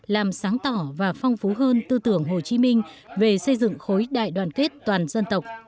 làm sáng tỏ và phong phú hơn tư tưởng hồ chí minh về xây dựng khối đại đoàn kết toàn dân tộc